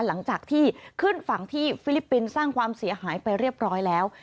หลังจากที่ขึ้นฝั่งที่ฟิลิปปินส์สร้างความเสียหายไปเรียบร้อยแล้ว